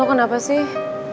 lu kenapa sih